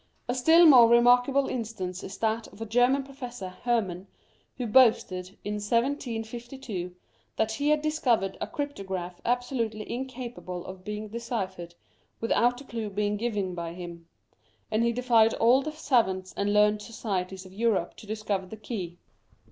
A still more remarkable instance is that of a German professor, Hermann, who boasted. In 1752, that he had discovered a cryptograph absolutely incapable of being deciphered, without the clue being given by him ; and he defied all the savants and learned societies of Europe to discover the key.